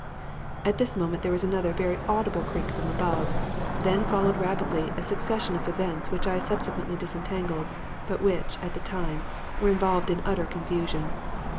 "At this moment there was another very audible creak from above, and then followed rapidly a succession of events which I subsequently disentangled, but which, at the time, were involved in utter confusion.